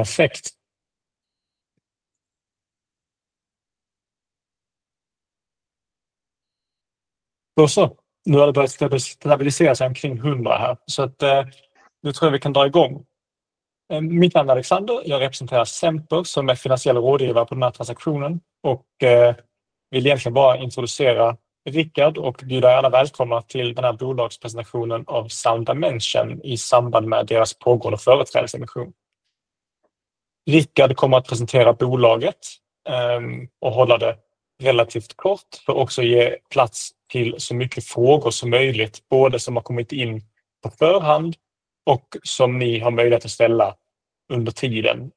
Perfekt. Då så, nu har det börjat stabilisera sig omkring 100 här, så att nu tror jag vi kan dra igång. Mitt namn är Alexander, jag representerar Semper som är finansiell rådgivare på den här transaktionen och vill egentligen bara introducera Rickard och bjuda alla välkomna till den här bolagspresentationen av Sound Dimension i samband med deras pågående företrädesemission. Rickard kommer att presentera bolaget och hålla det relativt kort för att också ge plats till så mycket frågor som möjligt, både som har kommit in på förhand och som ni har möjlighet att ställa under tiden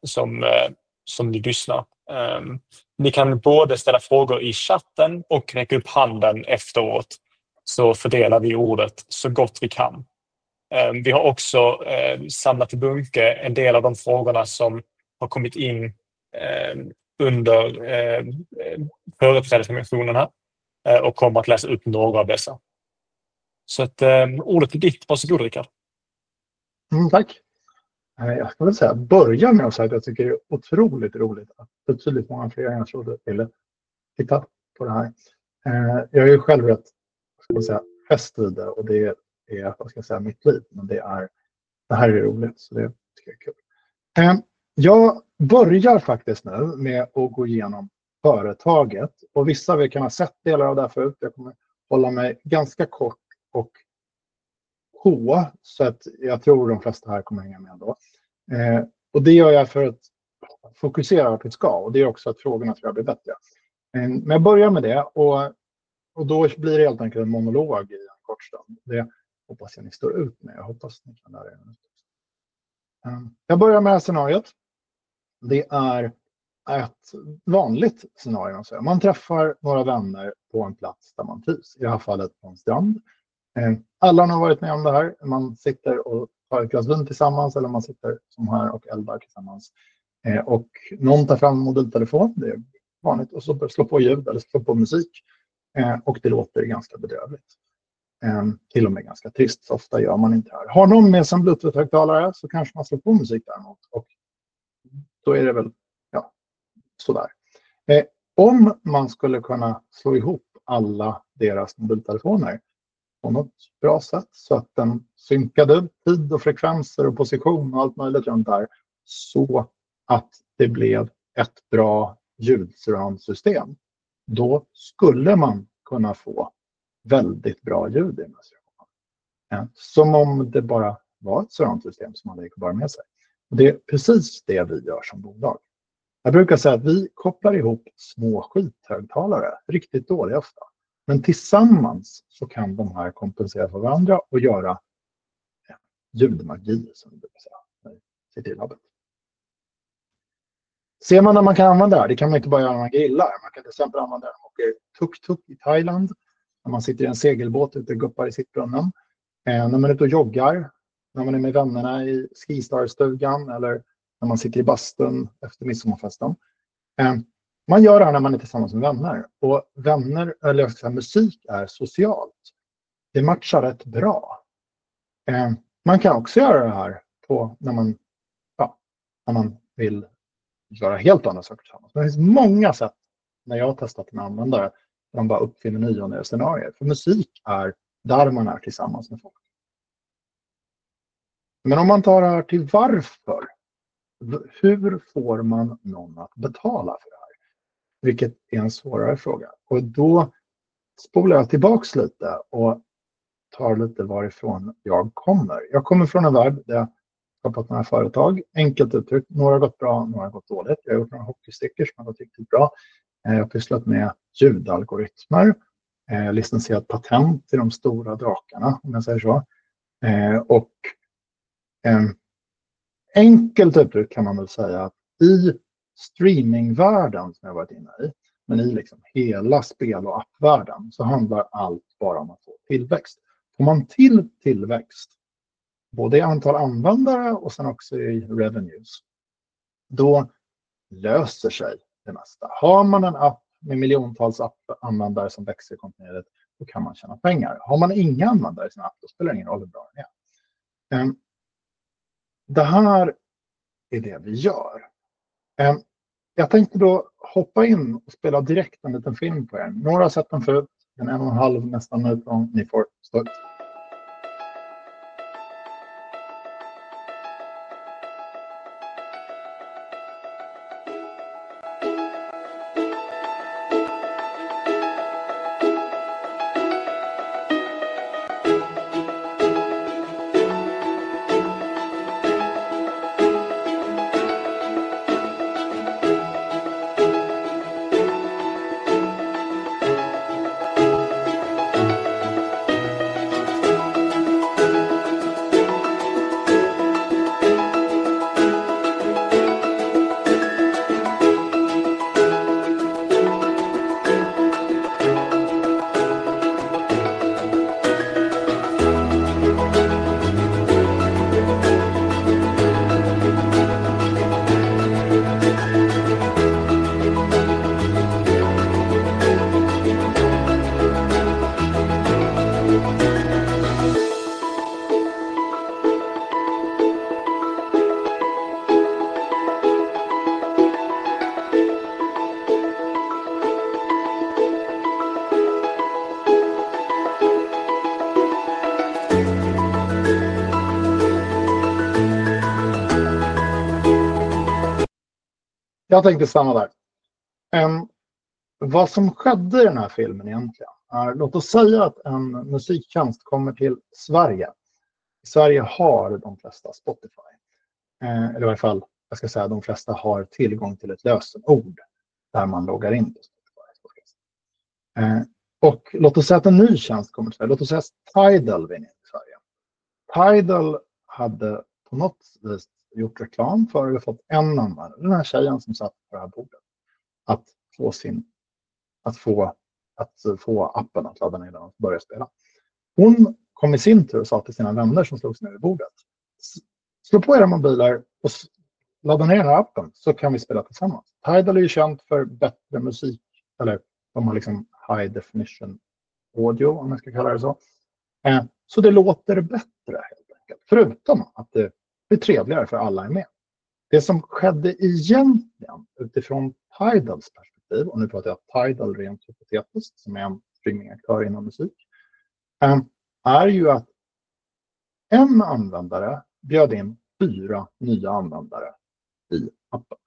som ni lyssnar. Ni kan både ställa frågor i chatten och räcka upp handen efteråt, så fördelar vi ordet så gott vi kan. Vi har också samlat i bunke en del av de frågorna som har kommit in under företrädesemissionen och kommer att läsa upp några av dessa. Så att ordet är ditt, varsågod Rickard. Tack. Jag ska väl säga, börja med att säga att jag tycker det är otroligt roligt att det är betydligt många fler än jag trodde skulle titta på det här. Jag har ju själv rätt, vad ska man säga, häst i det och det är, vad ska jag säga, mitt liv, men det är, det här är roligt, så det tycker jag är kul. Jag börjar faktiskt nu med att gå igenom företaget och vissa av er kan ha sett delar av det här förut. Jag kommer hålla mig ganska kort och hårt så att jag tror de flesta här kommer hänga med ändå. Det gör jag för att fokusera vart vi ska och det är också att frågorna tror jag blir bättre. Men jag börjar med det och då blir det helt enkelt en monolog i en kort stund. Det hoppas jag ni står ut med, jag hoppas ni kan lära något också. Jag börjar med det här scenariot. Det är ett vanligt scenario, om man säger. Man träffar några vänner på en plats där man trivs, i det här fallet på en strand. Alla har nog varit med om det här, man sitter och tar ett glas vin tillsammans eller man sitter som här och eldar tillsammans. Och någon tar fram en mobiltelefon, det är vanligt, och så slår på ljud eller slår på musik och det låter ganska bedrövligt. Till och med ganska trist, så ofta gör man inte det här. Har någon med sig en Bluetooth-högtalare så kanske man slår på musik däremot och då är det väl, ja, sådär. Om man skulle kunna slå ihop alla deras mobiltelefoner på något bra sätt så att den synkade tid och frekvenser och position och allt möjligt runt där, så att det blev ett bra ljudsurroundsystem, då skulle man kunna få väldigt bra ljud i den här situationen. Som om det bara var ett surroundsystem som man hade i kvar med sig. Och det är precis det vi gör som bolag. Jag brukar säga att vi kopplar ihop små skithögtalare, riktigt dåliga ofta, men tillsammans så kan de här kompensera för varandra och göra ljudmagi, som vi brukar säga, när vi sitter i labbet. Ser man när man kan använda det här, det kan man inte bara göra när man grillar, man kan till exempel använda det när man åker tuk-tuk i Thailand, när man sitter i en segelbåt ute och guppar i sittbrunnen, när man är ute och joggar, när man är med vännerna i skidstarstugan eller när man sitter i bastun efter midsommarfesten. Man gör det här när man är tillsammans med vänner och vänner, eller jag ska säga musik, är socialt. Det matchar rätt bra. Man kan också göra det här på när man, ja, när man vill göra helt andra saker tillsammans. Det finns många sätt, när jag har testat den här användaren, där man bara uppfinner nya och nya scenarier, för musik är där man är tillsammans med folk. Men om man tar det här till varför, hur får man någon att betala för det här? Vilket är en svårare fråga. Då spolar jag tillbaka lite och tar lite varifrån jag kommer. Jag kommer från en värld där jag har skapat några företag, enkelt uttryckt, några har gått bra, några har gått dåligt. Jag har gjort några hockeysticks som har gått riktigt bra. Jag har pysslat med ljudalgoritmer, jag har licensierat patent till de stora drakarna, om jag säger så. Enkelt uttryckt kan man väl säga att i streamingvärlden som jag har varit inne i, men i liksom hela spel- och appvärlden, så handlar allt bara om att få tillväxt. Får man till tillväxt, både i antal användare och sen också i revenues, då löser sig det mesta. Har man en app med miljontals användare som växer kontinuerligt, då kan man tjäna pengar. Har man inga användare i sin app, då spelar det ingen roll hur bra den är. Det här är det vi gör. Jag tänkte då hoppa in och spela direkt en liten film på. Några har sett den förut, den är en och en halv nästan utgång, ni får stå ut. Jag tänkte stanna där. Vad som skedde i den här filmen egentligen är, låt oss säga att en musiktjänst kommer till Sverige. I Sverige har de flesta Spotify, eller i varje fall, jag ska säga, de flesta har tillgång till ett lösenord där man loggar in på Spotify. Låt oss säga att en ny tjänst kommer till Sverige, låt oss säga Tidal vi är inne i Sverige. Tidal hade på något vis gjort reklam för att vi har fått en användare, den här tjejen som satt på det här bordet, att få sin, att få appen att ladda ner den och börja spela. Hon kom i sin tur och sa till sina vänner som slogs ner vid bordet, slå på era mobiler och ladda ner den här appen så kan vi spela tillsammans. Tidal är känt för bättre musik, eller de har high definition audio, om jag ska kalla det så. Så det låter bättre helt enkelt, förutom att det blir trevligare för alla är med. Det som skedde egentligen utifrån Tidals perspektiv, och nu pratar jag Tidal rent hypotetiskt, som är en streamingaktör inom musik, är att en användare bjöd in fyra nya användare i appen.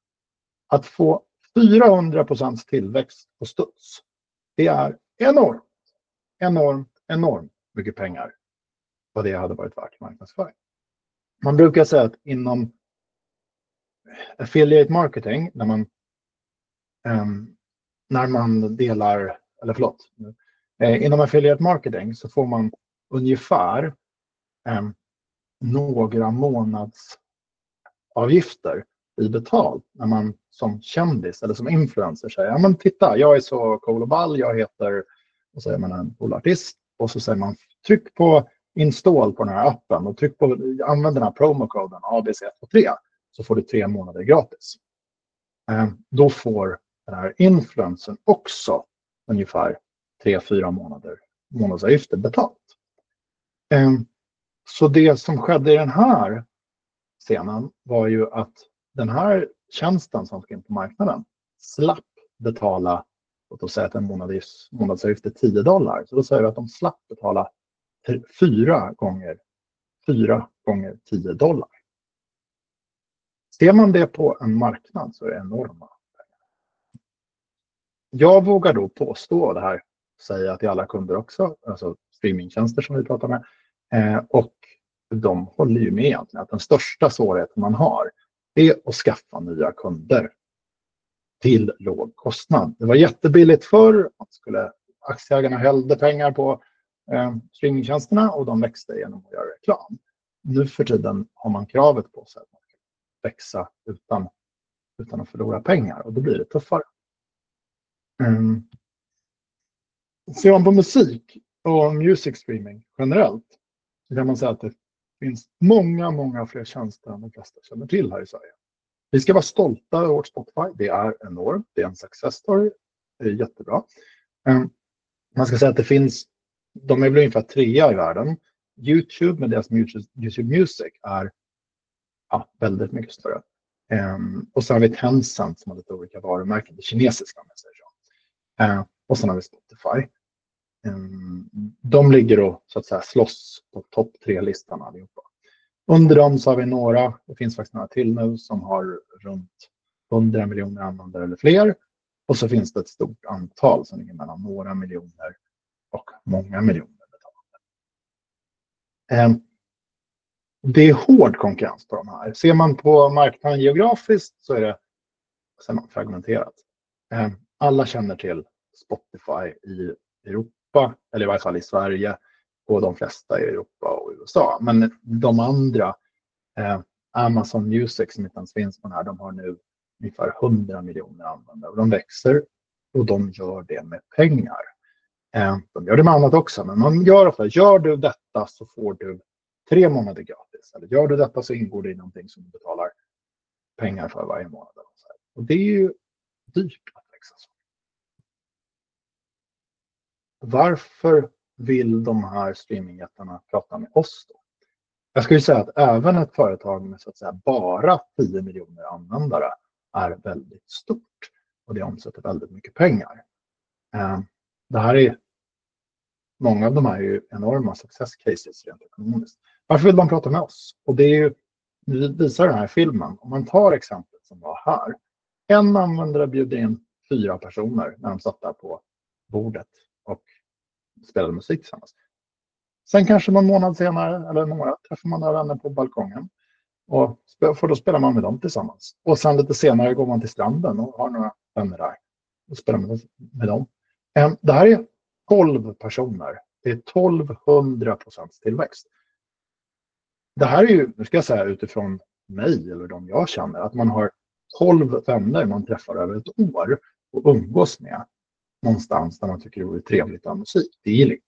Att få 400% tillväxt på studs, det är enormt, enormt, enormt mycket pengar vad det hade varit värt i marknadsföring. Man brukar säga att inom affiliate marketing, när man delar, eller förlåt, inom affiliate marketing så får man ungefär några månadsavgifter i betalt när man som kändis eller som influencer säger, ja men titta, jag är så cool och ball, jag heter, vad säger man, en cool artist, och så säger man, tryck på install på den här appen och tryck på, använd den här promo coden ABC123, så får du tre månader gratis. Då får den här influencern också ungefär tre, fyra månaders avgifter betalt. Så det som skedde i den här scenen var ju att den här tjänsten som fick in på marknaden slapp betala, låt oss säga att en månadsavgift är $10, så då säger vi att de slapp betala fyra gånger, fyra gånger $10. Ser man det på en marknad så är det enorma pengar. Jag vågar då påstå det här, säga att det är alla kunder också, alltså streamingtjänster som vi pratar med, och de håller ju med egentligen att den största svårigheten man har, det är att skaffa nya kunder till låg kostnad. Det var jättebilligt förr, aktieägarna hällde pengar på streamingtjänsterna och de växte genom att göra reklam. Nu för tiden har man kravet på sig att man ska växa utan att förlora pengar, och då blir det tuffare. Ser man på musik och music streaming generellt, så kan man säga att det finns många, många fler tjänster än de flesta känner till här i Sverige. Vi ska vara stolta över vårt Spotify, det är enormt, det är en success story, det är jättebra. Man ska säga att det finns, de är väl ungefär trea i världen, YouTube med deras YouTube Music är väldigt mycket större. Och sen har vi Tencent som har lite olika varumärken, det kinesiska om jag säger så. Och sen har vi Spotify. De ligger då, så att säga, slåss på topp tre-listan allihopa. Under dem så har vi några, det finns faktiskt några till nu som har runt 100 miljoner användare eller fler, och så finns det ett stort antal som ligger mellan några miljoner och många miljoner betalningar. Det är hård konkurrens på de här. Ser man på marknaden geografiskt så är det, ser man, fragmenterat. Alla känner till Spotify i Europa, eller i varje fall i Sverige, och de flesta i Europa och USA, men de andra, Amazon Music som inte ens finns på den här, de har nu ungefär 100 miljoner användare, och de växer, och de gör det med pengar. De gör det med annat också, men man gör ofta, gör du detta så får du tre månader gratis, eller gör du detta så ingår det i någonting som du betalar pengar för varje månad eller något sådär. Det är ju dyrt att växa så. Varför vill de här streamingjättarna prata med oss då? Jag ska ju säga att även ett företag med, så att säga, bara 10 miljoner användare är väldigt stort, och det omsätter väldigt mycket pengar. Det här är, många av de här är ju enorma success cases rent ekonomiskt. Varför vill de prata med oss? Det är ju, vi visar den här filmen, om man tar exemplet som var här. En användare bjuder in fyra personer när de satt där på bordet och spelade musik tillsammans. Sen kanske någon månad senare, eller några, träffar man några vänner på balkongen, och då spelar man med dem tillsammans. Sen lite senare går man till stranden och har några vänner där, och spelar med dem. Det här är 12 personer, det är 1200% tillväxt. Det här är ju, nu ska jag säga utifrån mig, eller de jag känner, att man har 12 vänner man träffar över ett år och umgås med någonstans där man tycker det vore trevligt att ha musik. Det är ju liksom,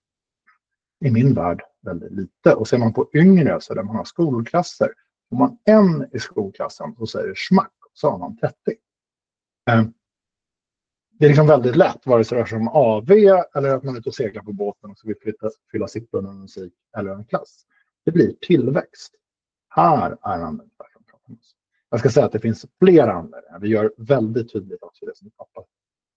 i min värld, väldigt lite. Ser man på yngre, så är det man har skolklasser, om man är en i skolklassen och säger schmack, så har man 30. Det är liksom väldigt lätt, vare sig det är som AW, eller att man är ute och seglar på båten och ska fylla sittbrunnen med musik, eller en klass. Det blir tillväxt. Här är en anledning till varför de pratar med oss. Jag ska säga att det finns flera anledningar. Vi gör väldigt tydligt också det som vi skapar.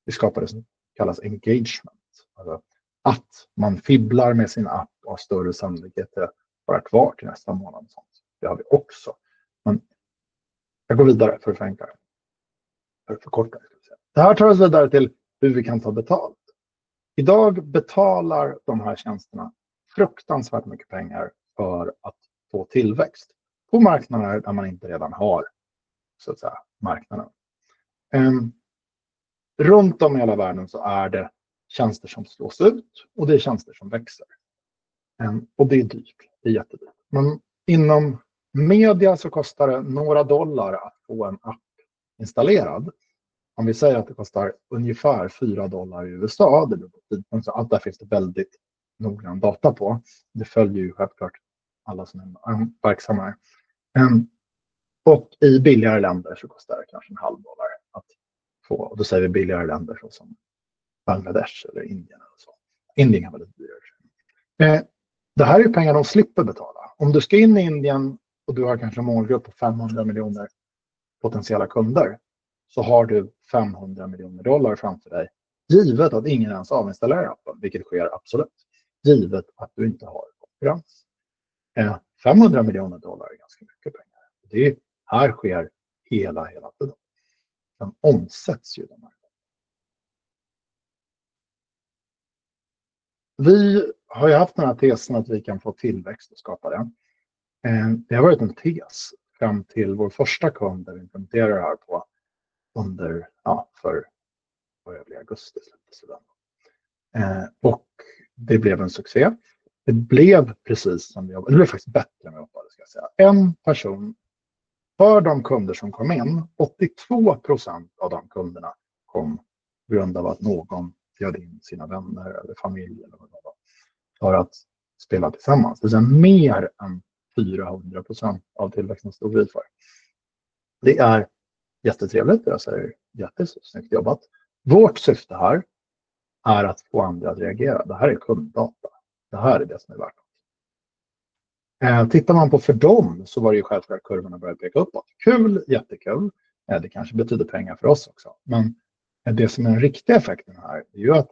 Vi skapar det som kallas engagement. Alltså att man fibblar med sin app och har större sannolikhet att vara kvar till nästa månad och sånt. Det har vi också. Men jag går vidare för att förenkla det. För att förkorta det ska vi säga. Det här tar oss vidare till hur vi kan ta betalt. Idag betalar de här tjänsterna fruktansvärt mycket pengar för att få tillväxt på marknader där man inte redan har, så att säga, marknaden. Runt om i hela världen så är det tjänster som slås ut, och det är tjänster som växer. Det är dyrt, det är jättedyrt. Men inom media så kostar det några dollar att få en app installerad. Om vi säger att det kostar ungefär $4 i USA, det beror på tidpunkter, allt det här finns det väldigt noggrann data på. Det följer ju självklart alla som är verksamma här. I billigare länder så kostar det kanske en halv dollar att få, och då säger vi billigare länder så som Bangladesh eller Indien eller så. Indien kan vara lite dyrare. Det här är ju pengar de slipper betala. Om du ska in i Indien och du har kanske en målgrupp på 500 miljoner potentiella kunder, så har du $500 miljoner framför dig, givet att ingen ens avinstallerar appen, vilket sker absolut, givet att du inte har konkurrens. $500 miljoner är ganska mycket pengar. Det är ju här det sker hela tiden. De omsätts ju de här. Vi har ju haft den här tesen att vi kan få tillväxt och skapa den. Det har varit en tes fram till vår första kund där vi implementerar det här på under, ja, för början av augusti, slutet av september. Det blev en succé. Det blev precis som vi hoppades. Det blev faktiskt bättre än vi hoppades, ska jag säga. En person, för de kunder som kom in, 82% av de kunderna kom på grund av att någon bjöd in sina vänner eller familj eller vad det var, för att spela tillsammans. Det är mer än 400% av tillväxten stod vi för. Det är jättetrevligt, det jag säger. Jättesnyggt jobbat. Vårt syfte här är att få andra att reagera. Det här är kunddata. Det här är det som är värt något. Tittar man på för dem så var det ju självklart kurvorna började peka uppåt. Kul, jättekul. Det kanske betyder pengar för oss också. Men det som är den riktiga effekten här är ju att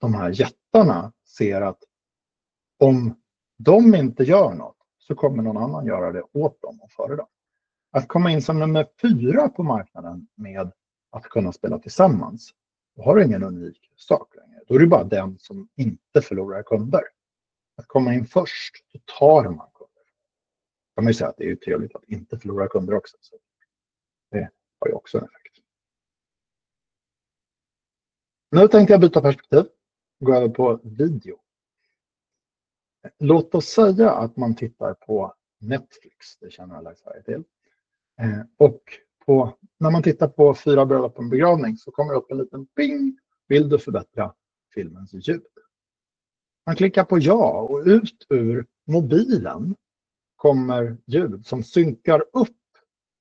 de här jättarna ser att om de inte gör något så kommer någon annan göra det åt dem och före dem. Att komma in som nummer fyra på marknaden med att kunna spela tillsammans, då har du ingen unik sak längre. Då är det ju bara den som inte förlorar kunder. Att komma in först, då tar man kunder. Jag kan man ju säga att det är ju trevligt att inte förlora kunder också. Så det har ju också en effekt. Nu tänkte jag byta perspektiv. Gå över på video. Låt oss säga att man tittar på Netflix. Det känner alla i Sverige till. När man tittar på fyra bröder på en begravning så kommer det upp en liten ping. Vill du förbättra filmens ljud? Man klickar på ja, och ut ur mobilen kommer ljud som synkar upp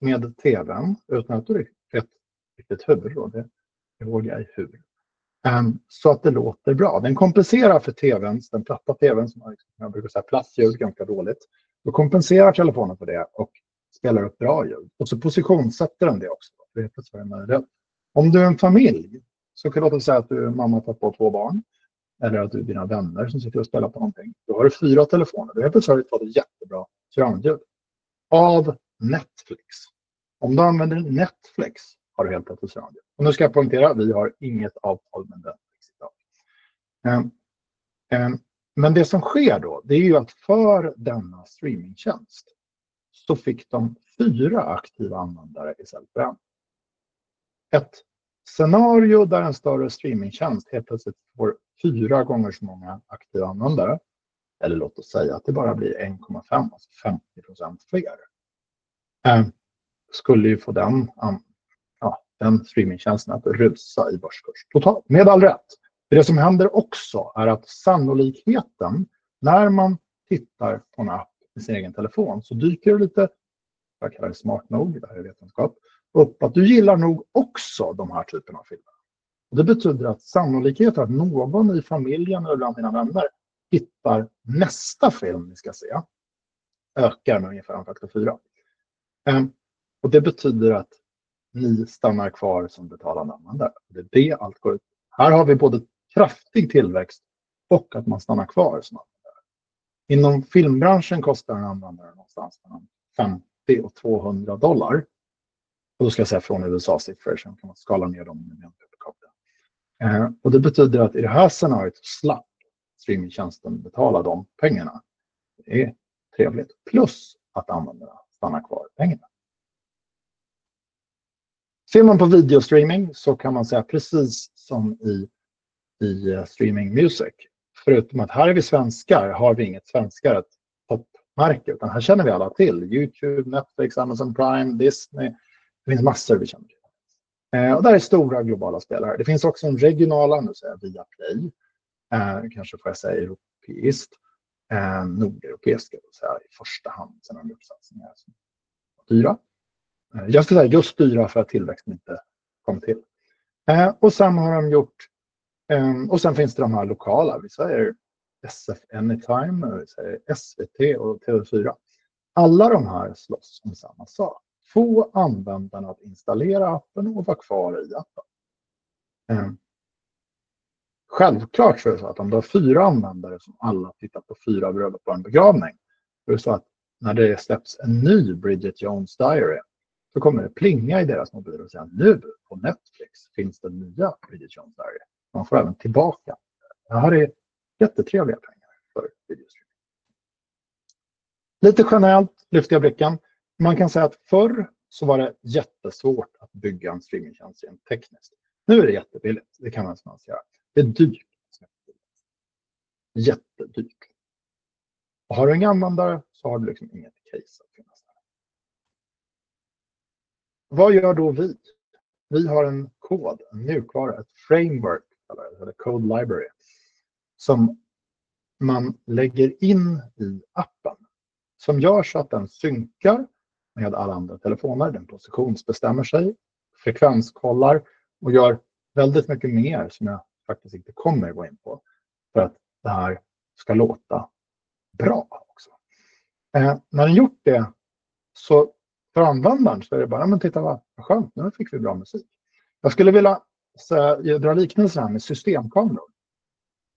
med TV:n utan att du riktigt hör det. Vågar jag hur så att det låter bra. Den kompenserar för TV:n, den platta TV:n som man brukar säga, platt ljud ganska dåligt. Då kompenserar telefonen för det och spelar upp bra ljud. Så positionssätter den det också. Då vet du vad du är med rätt. Om du är en familj, så kan du låta säga att du är mamma och har fått två barn, eller att du är dina vänner som sitter och spelar på någonting. Då har du fyra telefoner. Då vet du att du har ett jättebra surroundljud av Netflix. Om du använder Netflix har du helt plötsligt surroundljud. Nu ska jag poängtera, vi har inget avtal med Netflix idag. Men det som sker då, det är ju att för denna streamingtjänst så fick de fyra aktiva användare istället för en. Ett scenario där en större streamingtjänst helt plötsligt får fyra gånger så många aktiva användare, eller låt oss säga att det bara blir 1,5, alltså 50% fler. Skulle ju få den, ja, den streamingtjänsten att rusa i börskurs totalt. Med all rätt. Det som händer också är att sannolikheten, när man tittar på en app med sin egen telefon, så dyker det lite, jag kallar det smart nog, det här är vetenskap, upp att du gillar nog också de här typerna av filmer. Det betyder att sannolikheten att någon i familjen eller bland dina vänner hittar nästa film ni ska se, ökar med ungefär en faktor fyra. Det betyder att ni stannar kvar som betalande användare. Det är det allt går ut på. Här har vi både kraftig tillväxt och att man stannar kvar som användare. Inom filmbranschen kostar en användare någonstans mellan $50 och $200. Då ska jag säga från USA-siffror, sen kan man skala ner dem med mer meddelande. Det betyder att i det här scenariot så slapp streamingtjänsten betala de pengarna. Det är trevligt. Plus att användarna stannar kvar pengarna. Ser man på videostreaming så kan man säga precis som i streaming music. Förutom att här är vi svenskar, har vi inget svenskarat toppmärke. Utan här känner vi alla till YouTube, Netflix, Amazon Prime, Disney. Det finns massor vi känner till. Där är stora globala spelare. Det finns också de regionala, nu säger jag via Play, kanske får jag säga europeiskt, nordeuropeiska i första hand. Sen har vi uppsatsningar som är dyra. Jag ska säga dyra för att tillväxten inte kom till. Och sen har de gjort. Och sen finns det de här lokala. Vi säger SF Anytime, vi säger SVT och TV4. Alla de här slåss om samma sak. Få användarna att installera appen och vara kvar i appen. Självklart så är det så att om du har fyra användare som alla tittar på fyra bröder på en begravning, då är det så att när det släpps en ny Bridget Jones Diary, så kommer det plinga i deras mobil och säga att nu på Netflix finns det nya Bridget Jones Diary. Man får även tillbaka. Det här är jättetrevliga pengar för videostreaming. Lite generellt lyfter jag blicken. Man kan säga att förr så var det jättesvårt att bygga en streamingtjänst rent tekniskt. Nu är det jättebilligt. Det kan man ens säga. Det är dyrt. Jättedyrt. Och har du inga användare så har du liksom inget case att finnas där. Vad gör då vi? Vi har en kod, en mjukvara, ett framework, eller ett code library, som man lägger in i appen. Som gör så att den synkar med alla andra telefoner, den positionsbestämmer sig, frekvenskollar och gör väldigt mycket mer som jag faktiskt inte kommer gå in på. För att det här ska låta bra också. När den gjort det så för användaren så är det bara, men titta vad skönt, nu fick vi bra musik. Jag skulle vilja dra liknelsen här med systemkameror.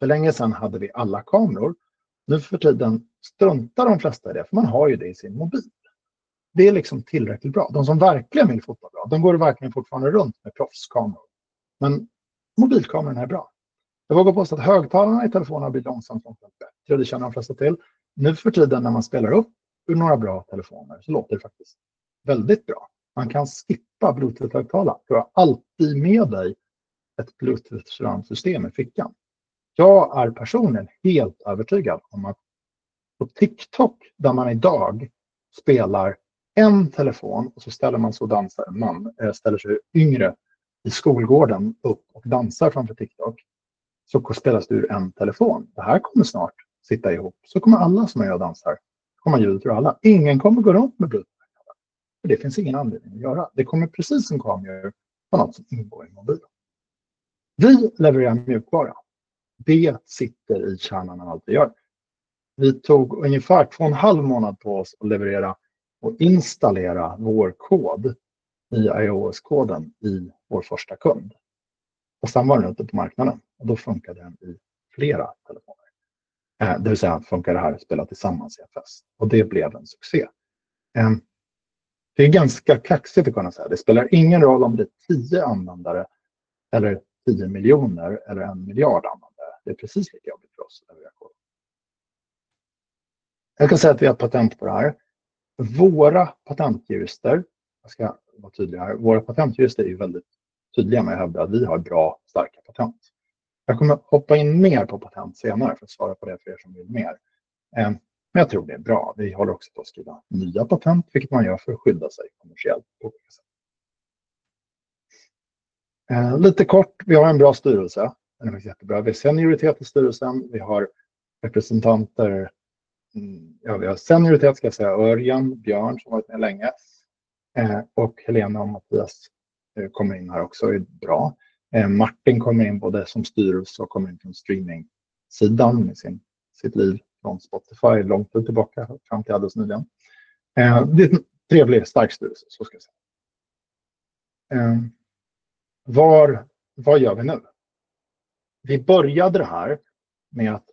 För länge sedan hade vi alla kameror. Nu för tiden struntar de flesta i det, för man har ju det i sin mobil. Det är liksom tillräckligt bra. De som verkligen vill fota bra, de går verkligen fortfarande runt med proffskameror. Men mobilkamerorna är bra. Jag vågar påstå att högtalarna i telefoner blir långsamt som bättre, och det känner de flesta till. Nu för tiden när man spelar upp ur några bra telefoner så låter det faktiskt väldigt bra. Man kan skippa Bluetooth-högtalare. Du har alltid med dig ett Bluetooth-surroundsystem i fickan. Jag är personligen helt övertygad om att på TikTok, där man idag spelar en telefon, och så ställer man sig och dansar en man, eller ställer sig yngre i skolgården upp och dansar framför TikTok, så spelas det ur en telefon. Det här kommer snart sitta ihop. Så kommer alla som är och dansar, kommer ljudet ur alla. Ingen kommer gå runt med Bluetooth-högtalare. För det finns ingen anledning att göra det. Det kommer precis som kameror på något som ingår i mobilen. Vi levererar mjukvara. Det sitter i kärnan av allt vi gör. Vi tog ungefär två och en halv månad på oss att leverera och installera vår kod i iOS-koden i vår första kund. Och sen var den ute på marknaden. Och då funkade den i flera telefoner. Det vill säga att funkar det här att spela tillsammans i affärer. Och det blev en succé. Det är ganska kaxigt att kunna säga. Det spelar ingen roll om det är tio användare, eller tio miljoner, eller en miljard användare. Det är precis lika jobbigt för oss när vi gör kod. Jag kan säga att vi har ett patent på det här. Våra patentjurister, jag ska vara tydlig här, våra patentjurister är ju väldigt tydliga med att vi har bra starka patent. Jag kommer hoppa in mer på patent senare för att svara på det för som vill mer. Men jag tror det är bra. Vi håller också på att skriva nya patent, vilket man gör för att skydda sig kommersiellt på olika sätt. Lite kort. Vi har en bra styrelse. Den är faktiskt jättebra. Vi har senioritet i styrelsen. Vi har representanter. Ja, vi har senioritet, ska jag säga. Örjan, Björn, som har varit med länge. Och Helene och Mattias kommer in här också. Det är bra. Martin kommer in både som styrelse och kommer in från streaming-sidan med sitt liv från Spotify långt tillbaka, fram till alldeles nyligen. Det är en trevlig, stark styrelse, så ska jag säga. Vad gör vi nu? Vi började det här med att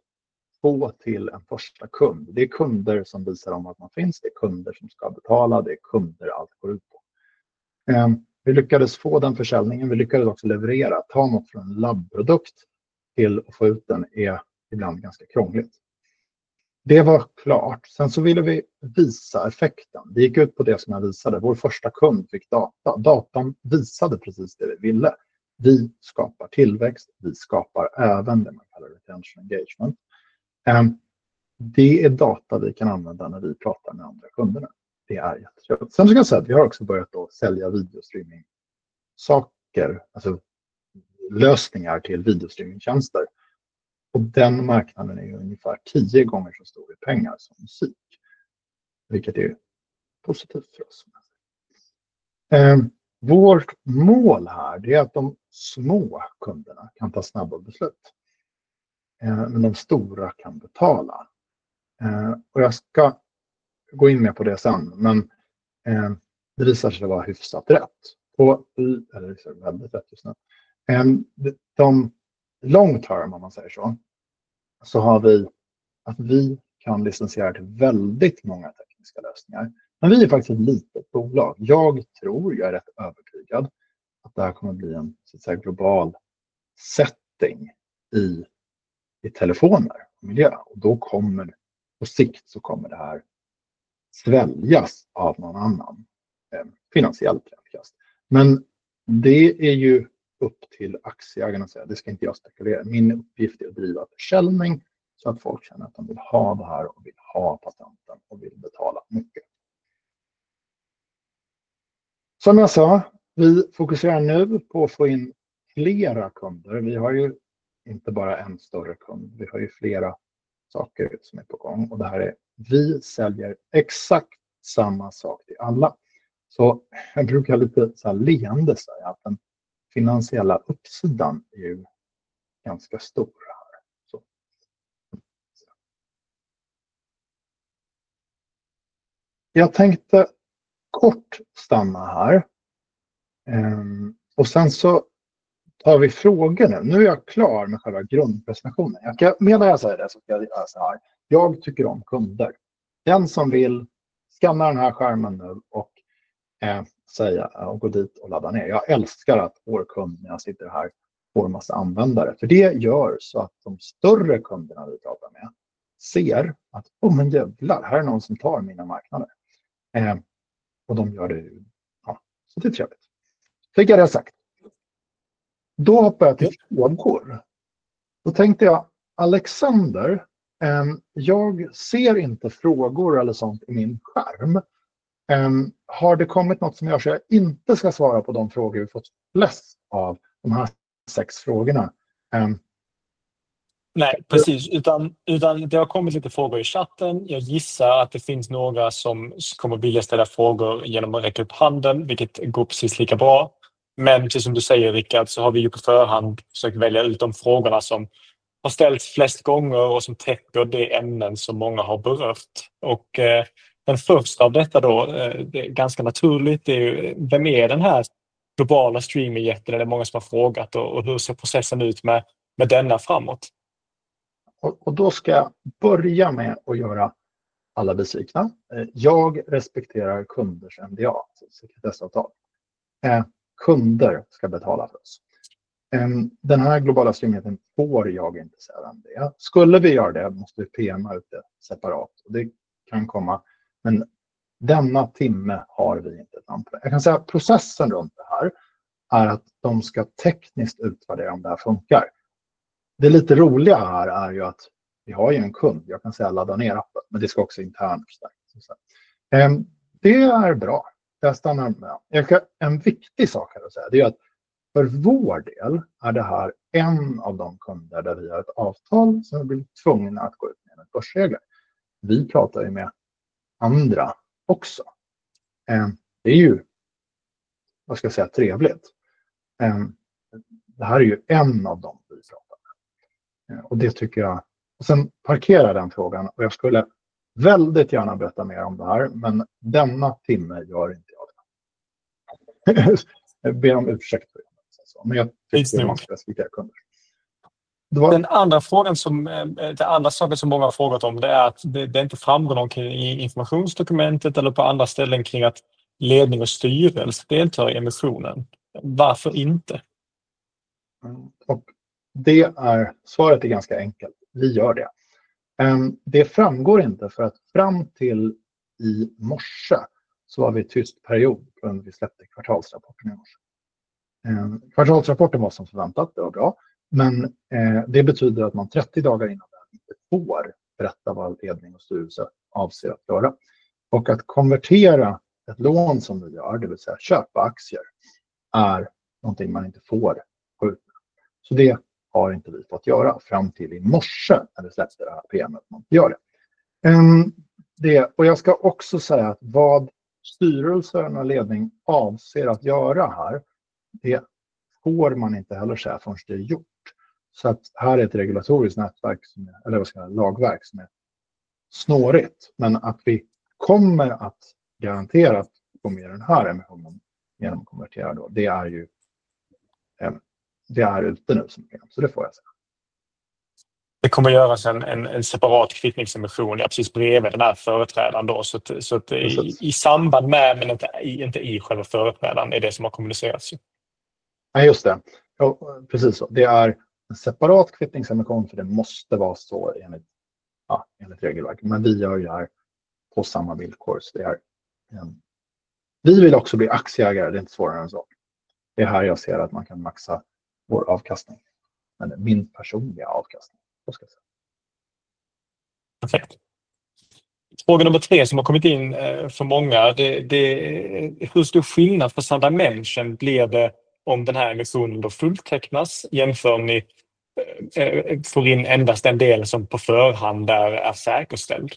få till en första kund. Det är kunder som visar om att man finns. Det är kunder som ska betala. Det är kunder allt går ut på. Vi lyckades få den försäljningen. Vi lyckades också leverera. Att ta något från en labbprodukt till att få ut den är ibland ganska krångligt. Det var klart. Sen så ville vi visa effekten. Vi gick ut på det som jag visade. Vår första kund fick data. Datan visade precis det vi ville. Vi skapar tillväxt. Vi skapar även det man kallar retention engagement. Det är data vi kan använda när vi pratar med andra kunder. Det är jättekul. Sen ska jag säga att vi har också börjat att sälja videostreaming-saker, alltså lösningar till videostreaming-tjänster. Och den marknaden är ju ungefär tio gånger så stor i pengar som musik. Vilket är positivt för oss. Vårt mål här, det är att de små kunderna kan ta snabba beslut, men de stora kan betala. Jag ska gå in mer på det sen. Men det visar sig vara hyfsat rätt. På i, eller det är väldigt rätt just nu. De långt här, om man säger så, så har vi att vi kan licensiera till väldigt många tekniska lösningar. Men vi är faktiskt ett litet bolag. Jag tror, jag är rätt övertygad, att det här kommer bli en så att säga global setting i telefoner och miljö. Då kommer, på sikt, så kommer det här sväljas av någon annan finansiellt kraftigast. Men det är ju upp till aktieägarna att säga. Det ska inte jag spekulera. Min uppgift är att driva försäljning så att folk känner att de vill ha det här och vill ha patenten och vill betala mycket. Som jag sa, vi fokuserar nu på att få in flera kunder. Vi har ju inte bara en större kund. Vi har ju flera saker som är på gång. Det här är, vi säljer exakt samma sak till alla. Så jag brukar lite så här leende säga att den finansiella uppsidan är ju ganska stor här. Så jag tänkte kort stanna här. Sen så tar vi frågor nu. Nu är jag klar med själva grundpresentationen. Jag menar att jag säger det, så ska jag göra så här. Jag tycker om kunder. Den som vill skanna den här skärmen nu och säga och gå dit och ladda ner. Jag älskar att vår kund, när jag sitter här, får en massa användare. För det gör så att de större kunderna vi pratar med ser att, åh men fan, här är någon som tar mina marknader. Och de gör det ju. Ja, så det är trevligt. Tänker att det är sagt. Då hoppar jag till frågor. Då tänkte jag, Alexander, jag ser inte frågor eller sånt i min skärm. Har det kommit något som gör så att jag inte ska svara på de frågor vi fått flest av, de här sex frågorna? Nej, precis. Det har kommit lite frågor i chatten. Jag gissar att det finns några som kommer vilja ställa frågor genom att räcka upp handen, vilket går precis lika bra. Men precis som du säger, Rickard, så har vi ju på förhand försökt välja ut de frågorna som har ställts flest gånger och som täcker de ämnen som många har berört. Och den första av detta då, det är ganska naturligt, det är ju, vem är den här globala streamingjätten? Det är många som har frågat, och hur ser processen ut med denna framåt? Och då ska jag börja med att göra alla besvikna. Jag respekterar kunders NDA, alltså sekretessavtal. Kunder ska betala för oss. Den här globala streamingen får jag inte säga vem det är. Skulle vi göra det, måste vi PM:a ut det separat. Och det kan komma, men denna timme har vi inte ett namn på det. Jag kan säga att processen runt det här är att de ska tekniskt utvärdera om det här fungerar. Det lite roliga här är ju att vi har ju en kund, jag kan säga ladda ner appen, men det ska också internt förstärkas. Det är bra. Jag stannar med. Jag ska säga en viktig sak här, det är ju att för vår del är det här en av de kunder där vi har ett avtal som vi blir tvungna att gå ut med enligt börsregler. Vi pratar ju med andra också. Det är ju, vad ska jag säga, trevligt. Det här är ju en av dem vi pratar med. Det tycker jag, och sen parkerar jag den frågan, och jag skulle väldigt gärna berätta mer om det här, men denna timme gör inte jag det. Jag ber om ursäkt för det. Men jag tycker att man ska respektera kunder. Den andra frågan som, det andra saken som många har frågat om, det är att det inte framgår någonting i informationsdokumentet eller på andra ställen kring att ledning och styrelse deltar i emissionen. Varför inte? Och svaret är ganska enkelt. Vi gör det. Det framgår inte för att fram till i morse så var vi i tyst period under vi släppte kvartalsrapporten i morse. Kvartalsrapporten var som förväntat, det var bra. Men det betyder att man 30 dagar innan det här inte får berätta vad ledning och styrelse avser att göra. Att konvertera ett lån som vi gör, det vill säga köpa aktier, är någonting man inte får gå ut med. Så det har inte vi fått göra fram till i morse när vi släppte det här PM:et om att vi gör det. Ehm, det, och jag ska också säga att vad styrelserna och ledning avser att göra här, det får man inte heller säga förrän det är gjort. Så att här är ett regulatoriskt nätverk som är, eller vad ska jag säga, lagverk som är snårigt. Men att vi kommer att garantera att gå med i den här emissionen genom att konvertera då, det är ju, det är ute nu som det är. Så det får jag säga. Det kommer att göras en separat kvittningsemission, jag är precis bredvid den här företrädaren då. Så att i samband med, men inte i själva företrädaren, är det som har kommunicerats ju. Nej, just det. Ja, precis så. Det är en separat kvittningsemission, för det måste vara så enligt, ja, enligt regelverket. Men vi gör ju det här på samma villkor, så det är en. Vi vill också bli aktieägare, det är inte svårare än så. Det är här jag ser att man kan maxa vår avkastning. Men det är min personliga avkastning, då ska jag säga. Perfekt. Fråga nummer tre som har kommit in för många, det är hur stor skillnad för fundamenten blir det om den här emissionen då fulltecknas, jämfört med att få in endast en del som på förhand där är säkerställd?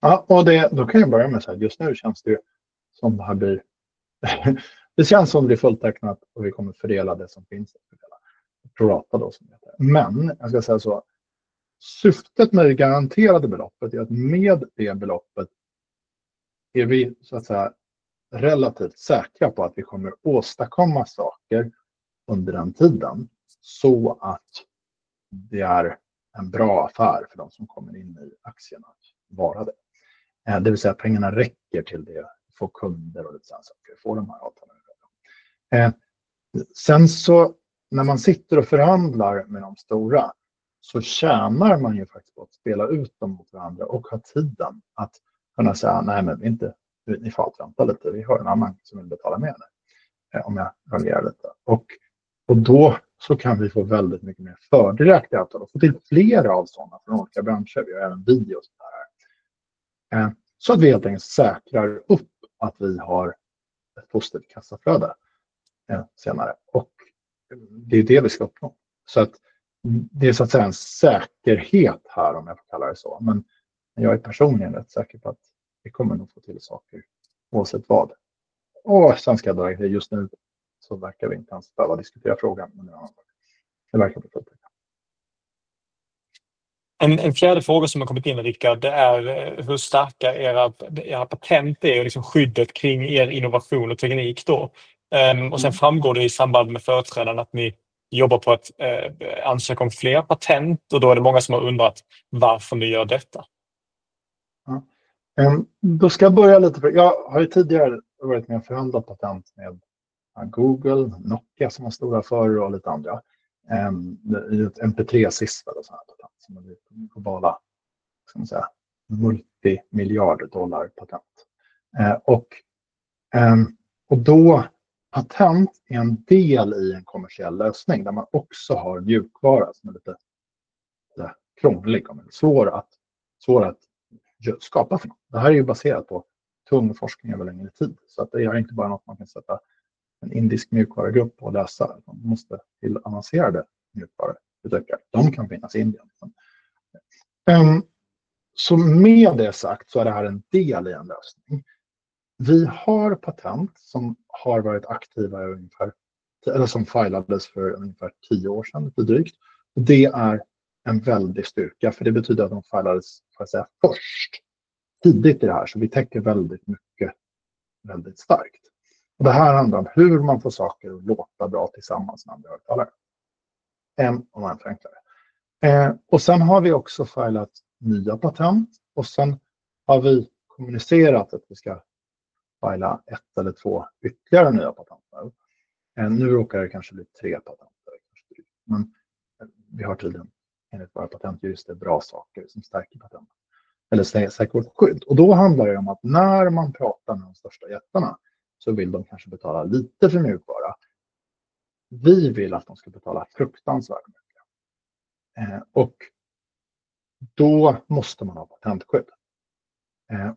Ja, och det, då kan jag börja med att säga att just nu känns det som det här blir, det känns som det blir fulltecknat och vi kommer fördela det som finns att fördela. Prata då som det heter. Men jag ska säga så, syftet med det garanterade beloppet är att med det beloppet är vi så att säga relativt säkra på att vi kommer åstadkomma saker under den tiden. Så att det är en bra affär för de som kommer in i aktierna att vara det. Det vill säga att pengarna räcker till det, få kunder och lite sådana saker, få de här avtalen redo. Sen så, när man sitter och förhandlar med de stora, så tjänar man ju faktiskt på att spela ut dem mot varandra och ha tiden att kunna säga nej, men vi är inte, ni får allt vänta lite, vi har en annan som vill betala mer nu. Om jag reagerar lite. Då så kan vi få väldigt mycket mer fördelaktiga avtal och få till flera av sådana från olika branscher. Vi har även video och sådana här. Så att vi helt enkelt säkrar upp att vi har ett positivt kassaflöde senare. Det är ju det vi ska uppnå. Så att det är så att säga en säkerhet här, om jag får kalla det så. Men jag är personligen rätt säker på att vi kommer nog få till saker oavsett vad. Sen ska jag dra i det just nu, så verkar vi inte ens behöva diskutera frågan under någon annan dag. Det verkar bli fulltecknat. En fjärde fråga som har kommit in, Rickard, det är hur starka era patent är och liksom skyddet kring innovation och teknik då. Sen framgår det i samband med företrädarna att ni jobbar på att ansöka om fler patent, och då är det många som har undrat varför ni gör detta. Då ska jag börja lite för, jag har ju tidigare varit med och förhandlat patent med Google, Nokia som var stora förare och lite andra. I ett MP3-system eller sådana här patent som har blivit globala, ska man säga, multimiljarder dollar patent. Och då patent är en del i en kommersiell lösning där man också har mjukvara som är lite krånglig och svår att skapa för någon. Det här är ju baserat på tung forskning över längre tid, så att det är inte bara något man kan sätta en indisk mjukvarugrupp och läsa, utan man måste till avancerade mjukvaror utveckla. De kan finnas i Indien. Så med det sagt så är det här en del i en lösning. Vi har patent som har varit aktiva i ungefär, eller som filades för ungefär tio år sedan, lite drygt. Det är en väldig styrka, för det betyder att de filades för att säga först, tidigt i det här, så vi täcker väldigt mycket, väldigt starkt. Och det här handlar om hur man får saker att låta bra tillsammans med andra högtalare. En och en förstärkare. Och sen har vi också filat nya patent, och sen har vi kommunicerat att vi ska fila ett eller två ytterligare nya patent nu. Nu råkar det kanske bli tre patent eller kanske drygt, men vi har enligt våra patentjurister bra saker som stärker patenten. Eller säkerhetsskydd. Och då handlar det om att när man pratar med de största jättarna så vill de kanske betala lite för mjukvara. Vi vill att de ska betala fruktansvärt mycket. Och då måste man ha patentskydd.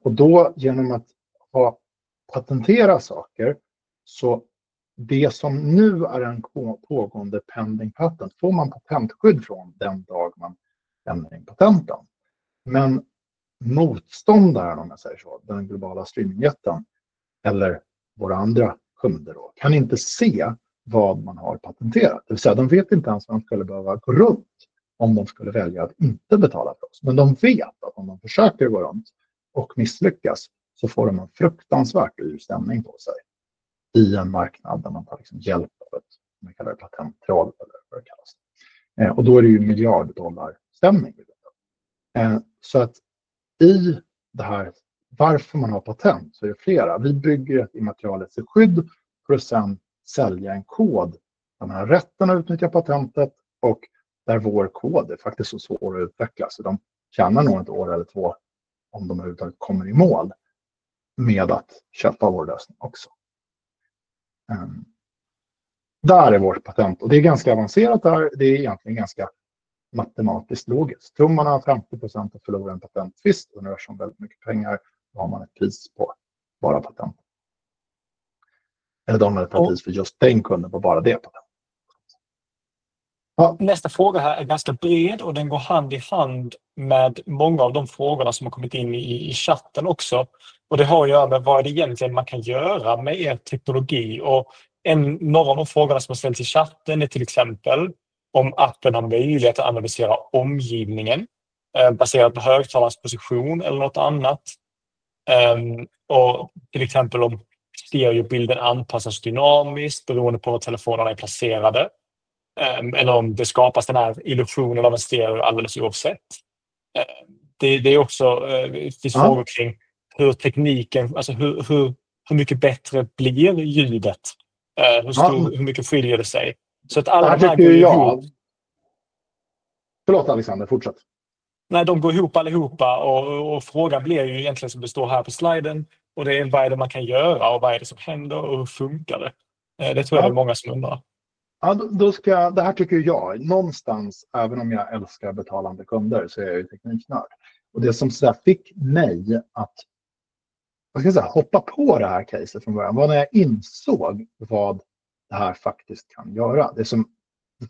Och då, genom att ha patenterat saker, så det som nu är en pågående pending patent, får man patentskydd från den dag man lämnar in patenten. Men motståndaren, om jag säger så, den globala streamingjätten eller våra andra kunder då, kan inte se vad man har patenterat. Det vill säga, de vet inte ens vad de skulle behöva gå runt om de skulle välja att inte betala för oss. Men de vet att om de försöker gå runt och misslyckas så får de en fruktansvärt dyr stämning på sig i en marknad där man tar hjälp av ett, vad man kallar det, patenttroll eller vad det kallas. Då är det ju miljarddollarstämning. Så att i det här, varför man har patent så är det flera. Vi bygger ett immateriellt skydd för att sen sälja en kod, de här rätten att utnyttja patentet och där vår kod är faktiskt så svår att utveckla. Så de tjänar nog ett år eller två om de överhuvudtaget kommer i mål med att köpa vår lösning också. Där är vårt patent och det är ganska avancerat där. Det är egentligen ganska matematiskt logiskt. Tror man har 50% att förlora en patenttvist och när det är så väldigt mycket pengar, då har man ett pris på bara patent. Eller då har man ett pris för just den kunden på bara det patentet. Nästa fråga här är ganska bred och den går hand i hand med många av de frågorna som har kommit in i chatten också. Det har att göra med vad är det egentligen man kan göra med teknologi. En av de frågorna som har ställts i chatten är till exempel om appen har möjlighet att analysera omgivningen baserat på högtalarens position eller något annat. Till exempel om stereobilden anpassas dynamiskt beroende på var telefonerna är placerade. Eller om det skapas den här illusionen av en stereo alldeles oavsett. Det finns också frågor kring hur tekniken, hur mycket bättre blir ljudet. Hur stor, hur mycket skiljer det sig? Så att alla de här grejerna... Förlåt, Alexander, fortsätt. Nej, de går ihop allihopa och frågan blir ju egentligen som det står här på sliden. Och det är, vad är det man kan göra och vad är det som händer och hur funkar det? Det tror jag det är många som undrar. Ja, då ska jag, det här tycker ju jag någonstans, även om jag älskar betalande kunder, så är jag ju tekniknörd. Och det som så här fick mig att, vad ska jag säga, hoppa på det här caset från början, var när jag insåg vad det här faktiskt kan göra. Det som,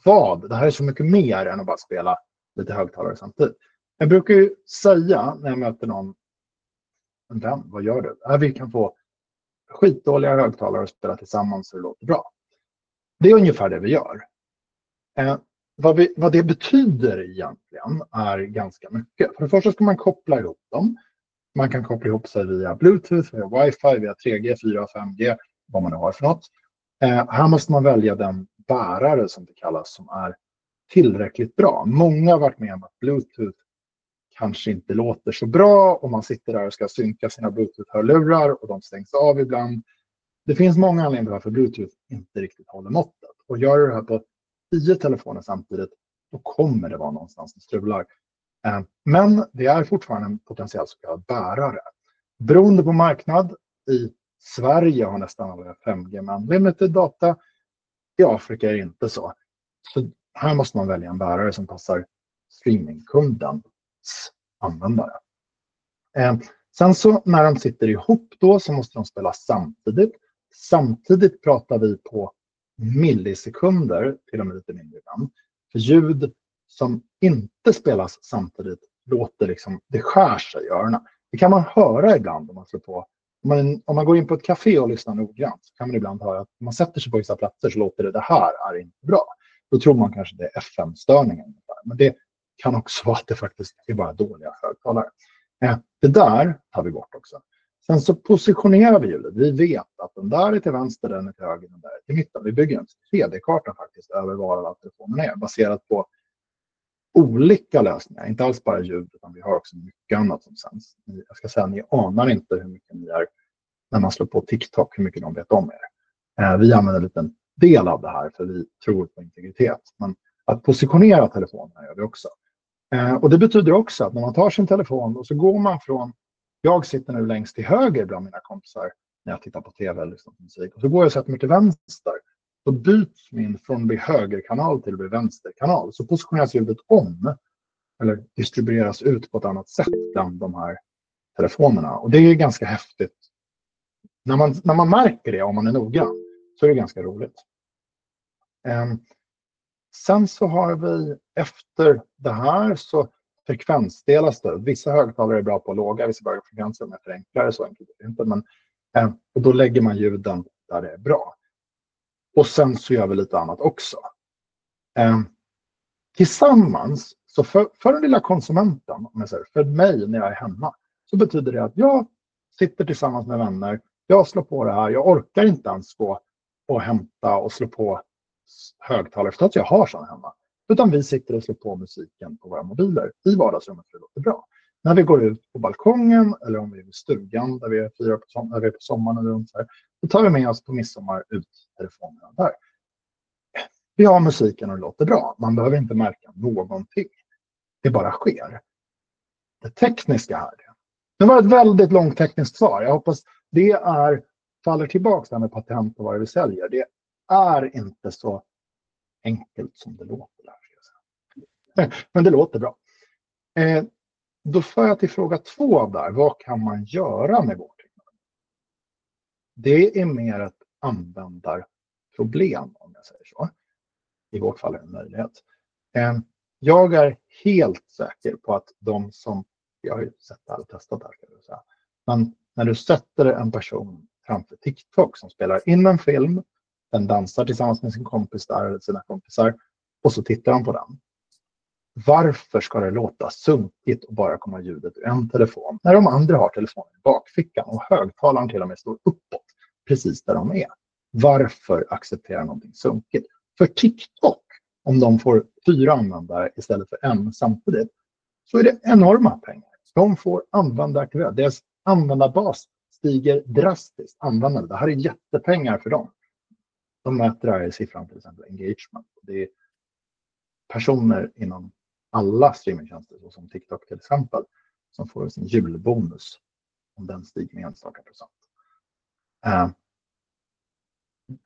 vad, det här är så mycket mer än att bara spela lite högtalare samtidigt. Jag brukar ju säga när jag möter någon, vän, vad gör du? Vi kan få skitdåliga högtalare och spela tillsammans så det låter bra. Det är ungefär det vi gör. Vad det betyder egentligen är ganska mycket. För det första ska man koppla ihop dem. Man kan koppla ihop sig via Bluetooth, via Wi-Fi, via 3G, 4G, 5G, vad man nu har för något. Här måste man välja den bärare som det kallas, som är tillräckligt bra. Många har varit med om att Bluetooth kanske inte låter så bra om man sitter där och ska synka sina Bluetooth-hörlurar och de stängs av ibland. Det finns många anledningar till varför Bluetooth inte riktigt håller måttet. Gör du det här på tio telefoner samtidigt, då kommer det vara någonstans som strular, men det är fortfarande en potentiell så kallad bärare. Beroende på marknad, i Sverige har nästan alla 5G med unlimited data, i Afrika är det inte så. Här måste man välja en bärare som passar streamingkundens användare. Sen så när de sitter ihop då så måste de spela samtidigt. Samtidigt pratar vi på millisekunder, till och med lite mindre ibland. För ljud som inte spelas samtidigt låter liksom, det skär sig i öronen. Det kan man höra ibland om man slår på. Om man går in på ett café och lyssnar noggrant så kan man ibland höra att om man sätter sig på vissa platser så låter det, det här är inte bra. Då tror man kanske det är FM-störningen ungefär. Men det kan också vara att det faktiskt är bara dåliga högtalare. Det där tar vi bort också. Sen så positionerar vi ljudet. Vi vet att den där är till vänster, den är till höger och den där är till mitten. Vi bygger en 3D-karta faktiskt över var alla telefonerna är, baserat på olika lösningar. Inte alls bara ljud utan vi har också mycket annat som sänds. Jag ska säga att ni anar inte hur mycket ni är, när man slår på TikTok, hur mycket de vet om er. Vi använder en liten del av det här för vi tror på integritet. Men att positionera telefonerna gör vi också. Det betyder också att när man tar sin telefon och så går man från, jag sitter nu längst till höger bland mina kompisar när jag tittar på TV eller lyssnar på musik. Så går jag och sätter mig till vänster, då byts min från att bli högerkanal till att bli vänsterkanal. Så positioneras ljudet om eller distribueras ut på ett annat sätt bland de här telefonerna. Det är ganska häftigt. När man märker det, om man är noga, så är det ganska roligt. Sen så har vi efter det här så frekvensdelas det. Vissa högtalare är bra på att låga, vissa är bra på frekvenser, de är förenklade så enkelt är det inte. Men då lägger man ljuden där det är bra. Sen så gör vi lite annat också. Tillsammans, så för den lilla konsumenten, om jag säger för mig när jag är hemma, så betyder det att jag sitter tillsammans med vänner, jag slår på det här, jag orkar inte ens gå och hämta och slå på högtalare för att jag har sådana hemma. Utan vi sitter och slår på musiken på våra mobiler i vardagsrummet för det låter bra. När vi går ut på balkongen eller om vi är i stugan där vi är på sommaren eller runt så här, då tar vi med oss på midsommar ut telefonerna där. Vi har musiken och det låter bra. Man behöver inte märka någonting. Det bara sker. Det tekniska här, det. Det var ett väldigt långt tekniskt svar. Jag hoppas det faller tillbaka med patent och vad vi säljer. Det är inte så enkelt som det låter där, ska jag säga. Men det låter bra. Då får jag till fråga två där. Vad kan man göra med vår teknik? Det är mer ett användarproblem, om jag säger så. I vårt fall är det en möjlighet. Jag är helt säker på att de som, jag har ju sett det här och testat det här, ska jag väl säga. Men när du sätter en person framför TikTok som spelar in en film, den dansar tillsammans med sin kompis där eller sina kompisar, och så tittar de på den. Varför ska det låta sunkigt och bara komma ljudet ur en telefon när de andra har telefonen i bakfickan och högtalaren till och med står uppåt precis där de är? Varför accepterar någonting sunkigt? För TikTok, om de får fyra användare istället för en samtidigt, så är det enorma pengar. De får användare till det. Deras användarbase stiger drastiskt. Det här är jättepengar för dem. De mäter det här i siffran till exempel engagement. Det är personer inom alla streamingtjänster, såsom TikTok till exempel, som får en sådan julbonus om den stiger med enstaka procent.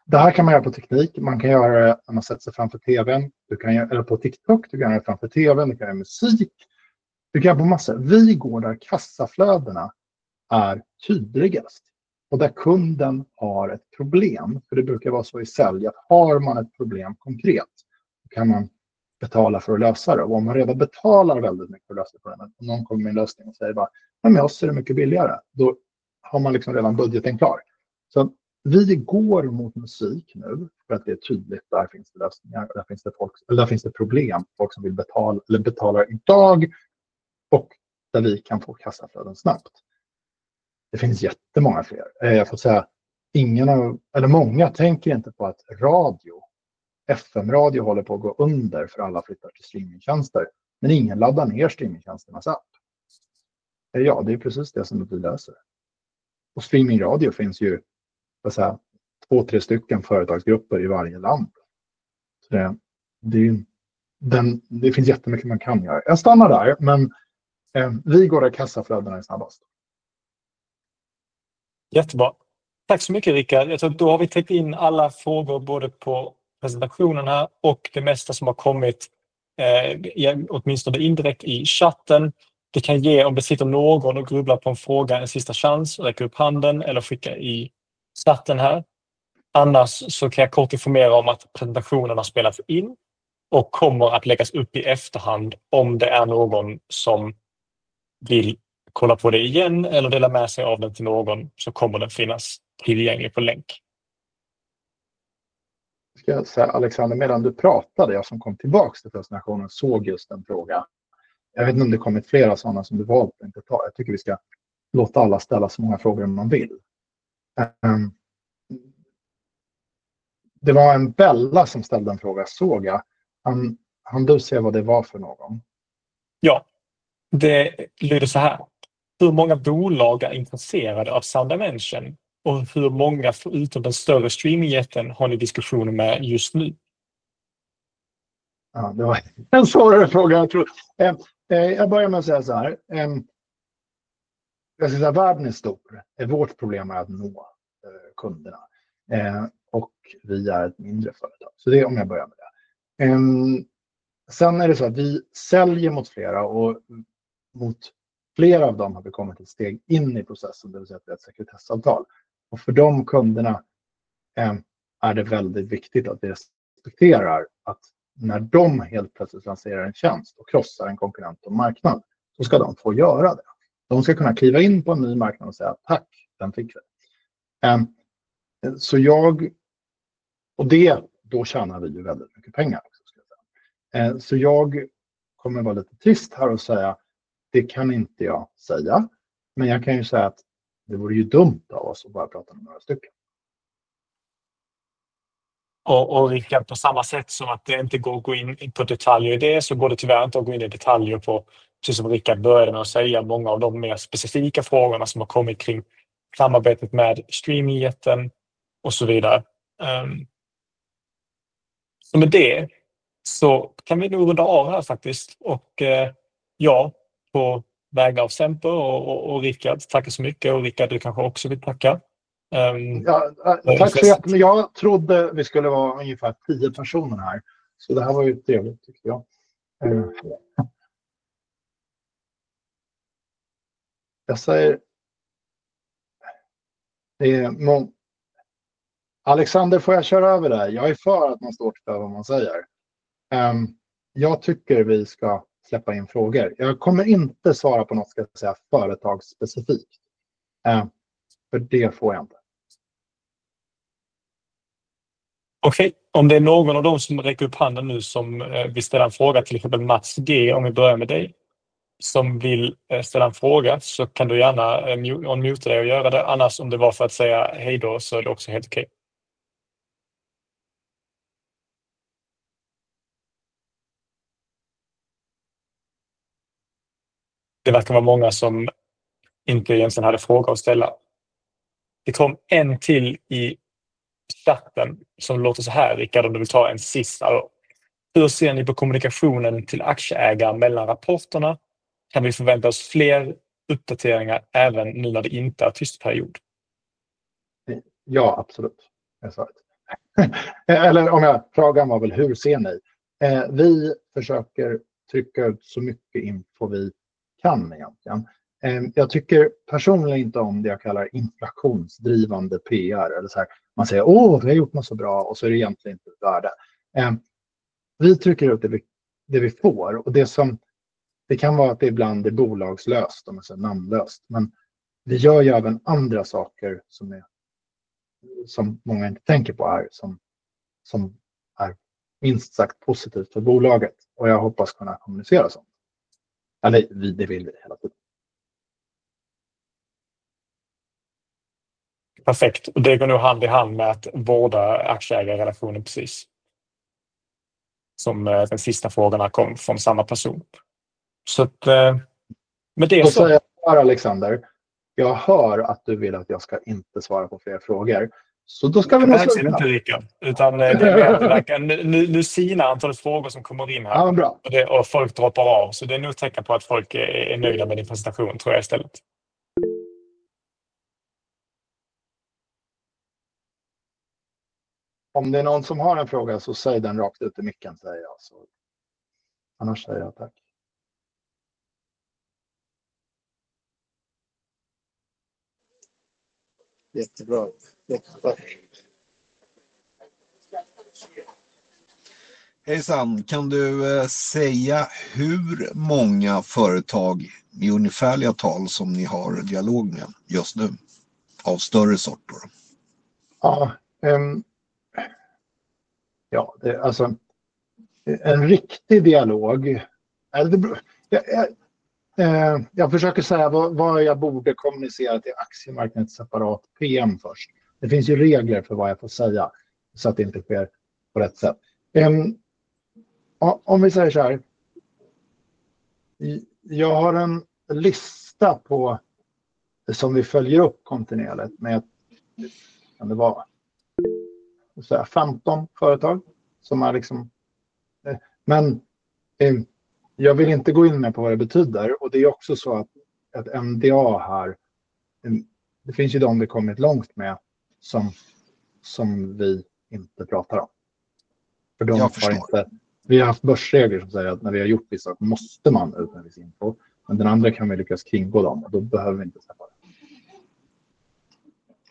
Det här kan man göra på teknik. Man kan göra det när man sätter sig framför TV:n. Du kan göra det på TikTok. Du kan göra det framför TV:n. Du kan göra det med musik. Du kan göra det på massor. Vi går där kassaflödena är tydligast. Där kunden har ett problem. För det brukar vara så i sälj att har man ett problem konkret, då kan man betala för att lösa det. Och om man redan betalar väldigt mycket för att lösa problemet, om någon kommer med en lösning och säger bara: "Nej, men jag ser det mycket billigare." Då har man liksom redan budgeten klar. Så vi går mot musik nu för att det är tydligt att där finns det lösningar och där finns det folk, eller där finns det problem för folk som vill betala eller betalar idag och där vi kan få kassaflöden snabbt. Det finns jättemånga fler. Jag får säga att ingen av, eller många tänker inte på att radio, FM-radio håller på att gå under för alla flyttar till streamingtjänster. Men ingen laddar ner streamingtjänsterna så här. Ja, det är precis det som du löser. Streamingradio finns ju, vad säger jag, två, tre stycken företagsgrupper i varje land. Så det är ju, det finns jättemycket man kan göra. Jag stannar där, men vi går där kassaflödena är snabbast. Jättebra. Tack så mycket, Rickard. Jag tror att då har vi täckt in alla frågor både på presentationen här och det mesta som har kommit, åtminstone indirekt i chatten. Det kan ge, om det sitter någon och grubblar på en fråga, en sista chans, räck upp handen eller skicka i chatten här. Annars så kan jag kort informera om att presentationen har spelats in och kommer att läggas upp i efterhand om det är någon som vill kolla på det igen eller dela med sig av den till någon, så kommer den finnas tillgänglig på länk. Ska jag säga, Alexander, medan du pratade, jag som kom tillbaka till presentationen såg just en fråga. Jag vet inte om det har kommit flera sådana som du valt att inte ta. Jag tycker vi ska låta alla ställa så många frågor som man vill. Det var en Bella som ställde en fråga, såg jag. Kan du se vad det var för någon? Ja, det lyder så här: Hur många bolag är intresserade av Sound Dimension och hur många, förutom den större streamingjätten, har ni diskussioner med just nu? Ja, det var en svårare fråga, jag tror. Jag börjar med att säga så här: jag skulle säga att världen är stor. Vårt problem är att nå kunderna, och vi är ett mindre företag. Så det är om jag börjar med det. Sen är det så att vi säljer mot flera och mot flera av dem har vi kommit ett steg in i processen, det vill säga ett rättssäkert testsavtal. Och för de kunderna är det väldigt viktigt att vi respekterar att när de helt plötsligt lanserar en tjänst och krossar en konkurrent och marknad, då ska de få göra det. De ska kunna kliva in på en ny marknad och säga: "Tack, den fick vi." Så jag, och det, då tjänar vi ju väldigt mycket pengar också, skulle jag säga. Så jag kommer vara lite trist här och säga: "Det kan inte jag säga." Men jag kan ju säga att det vore ju dumt av oss att bara prata med några stycken. Och Rickard, på samma sätt som att det inte går att gå in på detaljer i det, så går det tyvärr inte att gå in i detaljer på, precis som Rickard började med att säga, många av de mer specifika frågorna som har kommit kring samarbetet med streamingjätten och så vidare. Så med det så kan vi nog runda av här faktiskt. På väg av Sempo och Rickard, tack så mycket. Rickard, du kanske också vill tacka. Ja, tack så jättemycket. Jag trodde vi skulle vara ungefär tio personer här. Det här var ju trevligt, tycker jag. Jag säger... Det är många... Alexander, får jag köra över det här? Jag är för att man står kvar vad man säger. Jag tycker vi ska släppa in frågor. Jag kommer inte svara på något företagsspecifikt, för det får jag inte. Om det är någon av dem som räcker upp handen nu som vill ställa en fråga, till exempel Mats G, om vi börjar med dig, som vill ställa en fråga, så kan du gärna muta dig och göra det. Annars, om det var för att säga hej då, så är det också helt okej. Det verkar vara många som inte egentligen hade frågor att ställa. Det kom en till i chatten som låter så här, Rickard, om du vill ta en sista. Hur ser ni på kommunikationen till aktieägaren mellan rapporterna? Kan vi förvänta oss fler uppdateringar även nu när det inte är tyst period? Ja, absolut. Eller om jag, frågan var väl hur ser ni? Vi försöker trycka ut så mycket info vi kan egentligen. Jag tycker personligen inte om det jag kallar inflationsdrivande PR, eller så här, man säger: "Åh, vi har gjort något så bra", och så är det egentligen inte värde. Vi trycker ut det vi får, och det som det kan vara att det ibland är bolagslöst, om jag säger namnlöst, men vi gör ju även andra saker som många inte tänker på här, som är minst sagt positivt för bolaget, och jag hoppas kunna kommunicera sånt. Vi vill det hela tiden. Perfekt, och det går nog hand i hand med att vårda aktieägarrelationen precis, som den sista frågan kom från samma person. Med det så... Då säger jag så här, Alexander, jag hör att du vill att jag ska inte svara på fler frågor. Då ska vi nog släppa... Nej, det är inte Rickard, utan det är verkligen nu ser jag antalet frågor som kommer in här, och folk droppar av, så det är nog tecken på att folk är nöjda med din presentation, tror jag istället. Om det är någon som har en fråga så säg den rakt ut i micken, säger jag, så annars säger jag tack. Jättebra, jättetack. Hejsan, kan du säga hur många företag i ungefärliga tal som ni har dialog med just nu, av större sorter? Ja, det är alltså en riktig dialog. Eller det, jag försöker säga vad jag borde kommunicera till aktiemarknadens separat PM först. Det finns ju regler för vad jag får säga, så att det inte sker på rätt sätt. Om vi säger så här, jag har en lista på som vi följer upp kontinuerligt med, kan det vara så här 15 företag som är liksom, men jag vill inte gå in mer på vad det betyder, och det är också så att NDA här, det finns ju de vi kommit långt med som vi inte pratar om. För de har inte, vi har haft börsregler som säger att när vi har gjort vissa saker måste man ut med viss info, men den andra kan vi lyckas kringgå dem, och då behöver vi inte säga bara det.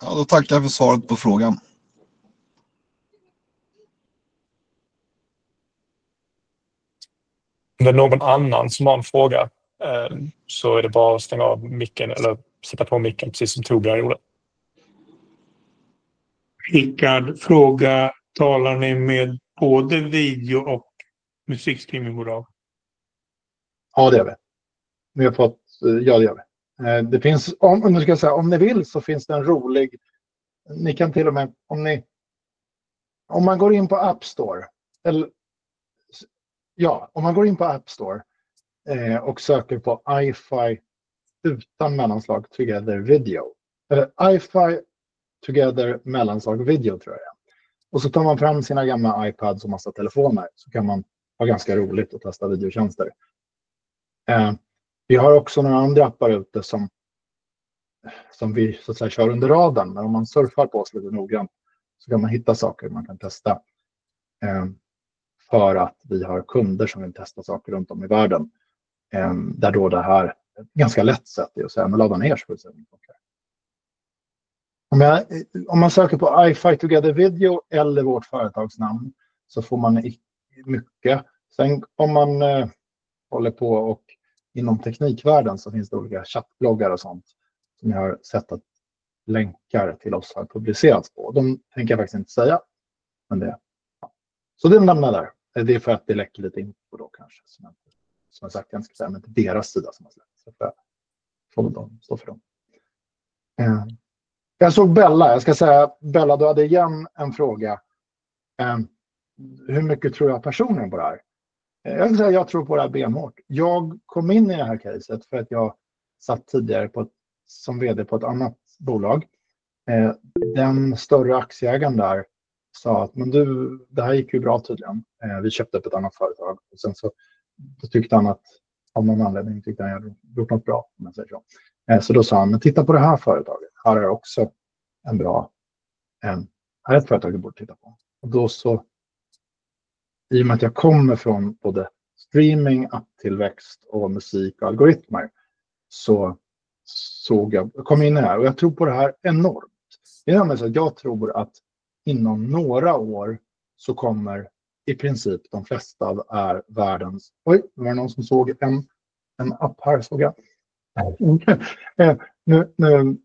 Ja, då tackar jag för svaret på frågan. Om det är någon annan som har en fråga, så är det bara att stänga av micken eller sätta på micken precis som Tobias gjorde. Rickard, fråga, talar ni med både video och musikstreamingbolag? Ja, det gör vi. Vi har fått, ja, det gör vi. Det finns, om nu ska jag säga, om ni vill så finns det en rolig, ni kan till och med, om ni, om man går in på App Store, eller ja, om man går in på App Store, och söker på iFi utan mellanslag together video, eller iFi together mellanslag video, tror jag det är, och så tar man fram sina gamla iPads och massa telefoner, så kan man ha ganska roligt och testa videotjänster. Vi har också några andra appar ute som vi så att säga kör under raden, men om man surfar på oss lite noggrant så kan man hitta saker man kan testa, för att vi har kunder som vill testa saker runt om i världen, där då det här är ett ganska lätt sätt i och säga, men ladda ner så får vi se om det funkar. Om jag, om man söker på iFi together video eller vårt företagsnamn så får man mycket, sen om man håller på och inom teknikvärlden så finns det olika chattbloggar och sånt som jag har sett att länkar till oss har publicerats på, och de tänker jag faktiskt inte säga, men det, ja, så det är de där, det är för att det läcker lite info då kanske, som jag inte som jag sagt, jag inte ska säga, men det är deras sida som har släppt, så jag får jag fråga dem, stå för dem. Jag såg Bella, jag ska säga, Bella, du hade igen en fråga, hur mycket tror jag personligen på det här? Jag ska säga, jag tror på det här benhårt. Jag kom in i det här caset för att jag satt tidigare på ett, som VD på ett annat bolag. Den större aktieägaren där sa att, men du, det här gick ju bra tydligen, vi köpte upp ett annat företag. Sen så då tyckte han att, av någon anledning tyckte han jag hade gjort något bra, om jag säger så. Så då sa han, men titta på det här företaget, här är det också en bra, här är ett företag du borde titta på. Då så, i och med att jag kommer från både streaming, apptillväxt och musik och algoritmer, så såg jag, kom in i det här, och jag tror på det här enormt. Det är nämligen så att jag tror att inom några år så kommer i princip de flesta av världens, såg jag, okej, nu,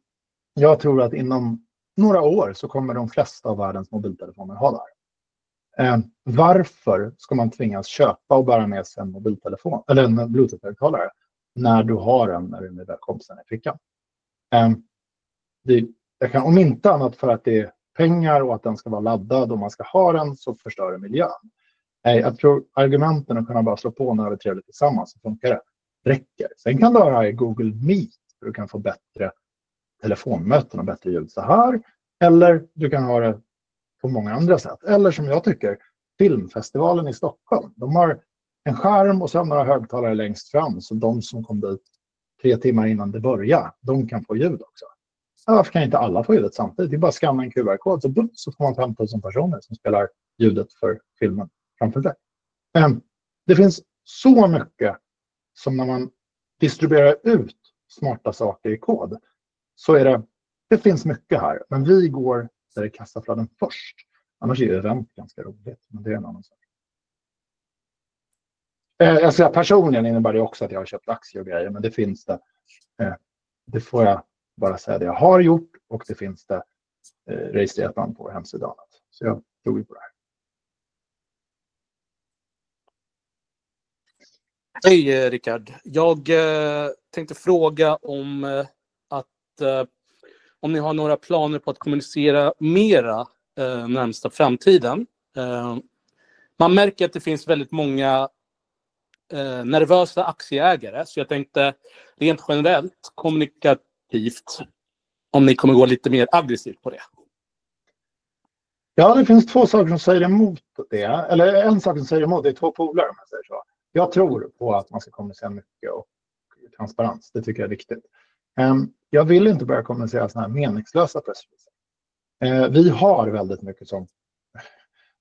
jag tror att inom några år så kommer de flesta av världens mobiltelefoner ha det här. Varför ska man tvingas köpa och bära med sig en mobiltelefon, eller en Bluetooth-högtalare, när du har en, när du är med välkomsten i fickan? Det, jag kan, om inte annat för att det är pengar och att den ska vara laddad och man ska ha den, så förstör det miljön. Jag tror argumenten att kunna bara slå på när det är trevligt tillsammans, så funkar det, räcker. Sen kan du ha det här i Google Meet, för du kan få bättre telefonmöten och bättre ljud så här, eller du kan ha det på många andra sätt, eller som jag tycker, filmfestivalen i Stockholm, de har en skärm och så har de några högtalare längst fram, så de som kom dit tre timmar innan det börjar, de kan få ljud också. Så varför kan inte alla få ljudet samtidigt? Det är bara att scanna en QR-kod, så bum, så får man 15 000 personer som spelar ljudet för filmen framför sig. Det finns så mycket, som när man distribuerar ut smarta saker i kod, så är det, det finns mycket här, men vi går, så är det kassaflöden först, annars är ju event ganska roligt, men det är en annan sak. Jag ska säga, personligen innebär det också att jag har köpt aktier och grejer, men det finns det, det får jag bara säga, det jag har gjort, och det finns det, registrerat namn på hemsidan att, så jag tror ju på det här. Hej Rickard, jag tänkte fråga om ni har några planer på att kommunicera mer närmaste framtiden. Man märker att det finns väldigt många nervösa aktieägare, så jag tänkte rent generellt kommunikativt om ni kommer gå lite mer aggressivt på det. Ja, det finns två saker som säger emot det, eller en sak som säger emot, det är två polare om jag säger så. Jag tror på att man ska kommunicera mycket och transparens, det tycker jag är viktigt. Jag vill inte börja kommunicera såna här meningslösa pressreleaser, vi har väldigt mycket som,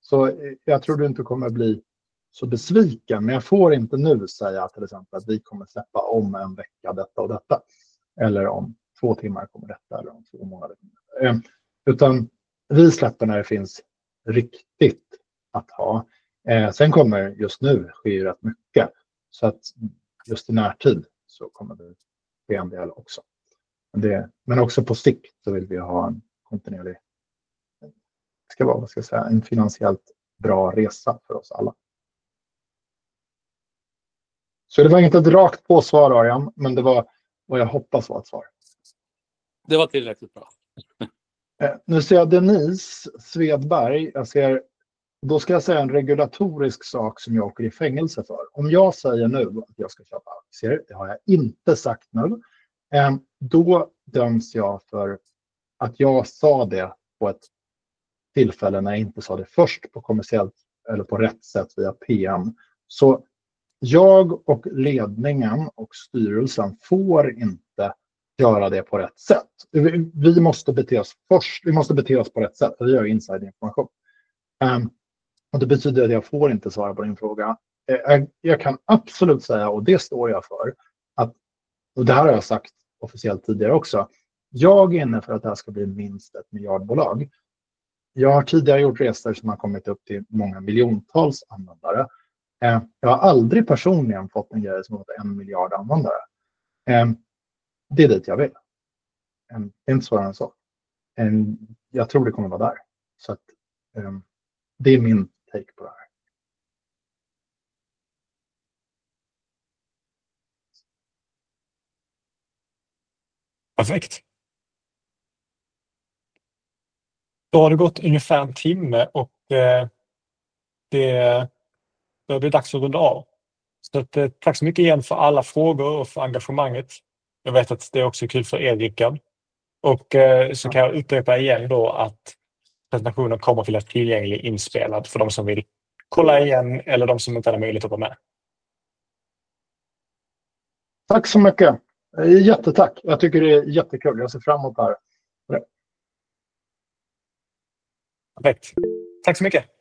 så jag tror du inte kommer bli så besviken, men jag får inte nu säga till exempel att vi kommer släppa om en vecka detta och detta, eller om två timmar kommer detta, eller om två månader kommer detta, utan vi släpper när det finns riktigt att ha. Sen kommer just nu ske rätt mycket, så att just i närtid så kommer vi se en del också, men det, men också på sikt så vill vi ha en kontinuerlig, det ska vara, vad ska jag säga, en finansiellt bra resa för oss alla. Så det var inget rakt på svar Arjan, men det var vad jag hoppas var ett svar, det var tillräckligt bra. Nu ser jag Denise Svedberg, jag ser, då ska jag säga en regulatorisk sak som jag åker i fängelse för, om jag säger nu att jag ska köpa aktier, det har jag inte sagt nu, då döms jag för att jag sa det på ett tillfälle när jag inte sa det först på kommersiellt eller på rätt sätt via PM, så jag och ledningen och styrelsen får inte göra det på rätt sätt, vi måste bete oss först, vi måste bete oss på rätt sätt, för vi har ju inside information. Det betyder att jag får inte svara på din fråga, jag kan absolut säga, och det står jag för, att, och det här har jag sagt officiellt tidigare också, jag är inne för att det här ska bli minst ett miljardbolag. Jag har tidigare gjort resor som har kommit upp till många miljontals användare, jag har aldrig personligen fått en grej som har gått en miljard användare, det är dit jag vill, det är inte svårare än så. Jag tror det kommer vara där, så att, det är min take på det här. Perfekt, då har det gått ungefär en timme och, det, det har blivit dags att runda av, så att, tack så mycket igen för alla frågor och för engagemanget, jag vet att det är också kul för Rickard, och, så kan jag upprepa igen då att presentationen kommer att finnas tillgänglig inspelad för de som vill kolla igen eller de som inte hade möjlighet att vara med, tack så mycket, jättetack, jag tycker det är jättekul, jag ser fram emot det här, perfekt, tack så mycket.